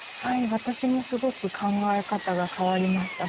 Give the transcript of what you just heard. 私もすごく考え方が変わりました。